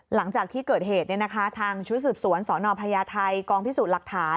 หลังจากที่เกิดเหตุทางชุดสืบสวนสนพญาไทยกองพิสูจน์หลักฐาน